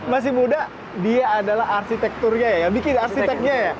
masih muda tapi dia adalah arsitektur yang membuatnya